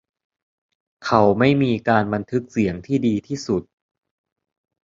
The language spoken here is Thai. เขาไม่มีการบันทึกเสียงที่ดีที่สุด